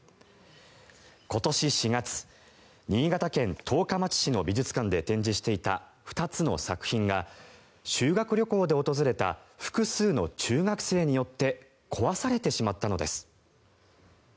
今年４月、新潟県十日町市の美術館で展示していた２つの作品が修学旅行で訪れた複数の中学生によって壊されてしまったのです。